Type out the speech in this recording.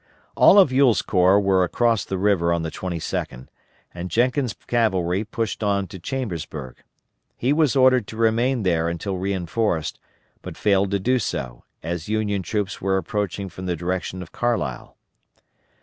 All of Ewell's corps were across the river on the 22d, and Jenkins' cavalry pushed on to Chambersburg. He was ordered to remain there until reinforced, but failed to do so, as Union troops were approaching from the direction of Carlisle.